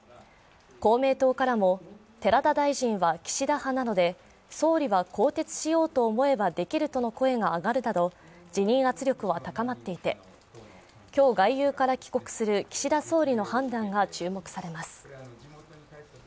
公明党からも、寺田大臣は岸田派なので総理は更迭しようと思えばできるとの声があがるなど辞任圧力は高まっていて、今日、外遊から帰国する岸田総理の判断が注目されます。